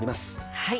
はい。